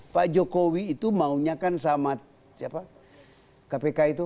pak jokowi itu maunya kan sama siapa kpk itu